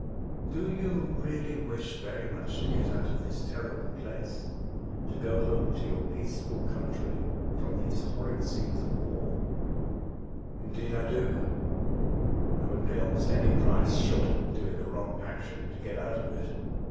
'' Do you really wish very much to get out of this terrible place; to go home to your The Escape. 15 peaceful country from these horrid scenes of war ?"*' Indeed, I do ; I would pay almost any price, short of doing a wrong action, to get out of it.